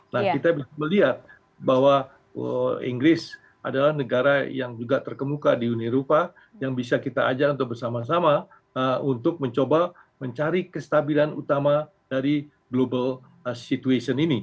nah kita bisa melihat bahwa inggris adalah negara yang juga terkemuka di uni eropa yang bisa kita ajar untuk bersama sama untuk mencoba mencari kestabilan utama dari global situation ini